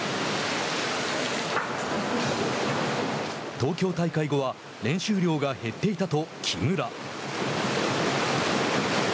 東京大会後は練習量が減っていたと木村。